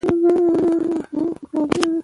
سیاسي بدلون د اصلاح له لارې راځي